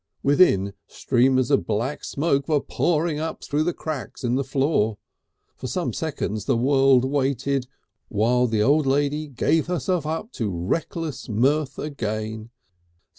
Within, streamers of black smoke were pouring up through the cracks in the floor. For some seconds the world waited while the old lady gave herself up to reckless mirth again.